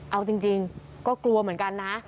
เอาจริงก็กลัวเหมือนกันนะ